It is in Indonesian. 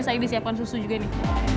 saya disiapkan susu juga nih